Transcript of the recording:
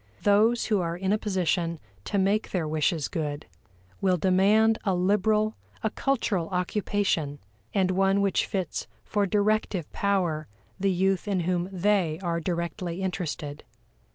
Those who are in a position to make their wishes good, will demand a liberal, a cultural occupation, and one which fits for directive power the youth in whom they are directly interested.